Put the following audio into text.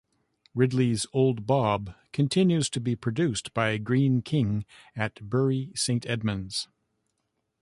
Ridley's Old Bob continues to be produced by Greene King at Bury Saint Edmunds.